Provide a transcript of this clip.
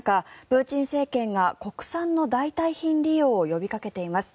プーチン政権が国産の代替品利用を呼びかけています。